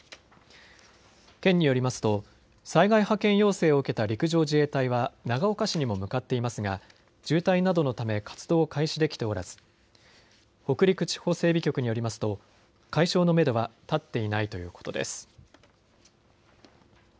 県によりますと災害派遣要請を受けた陸上自衛隊は長岡市にも向かっていますが渋滞などのため活動を開始できておらず北陸地方整備局によりますと解消のめどは立っていないということです。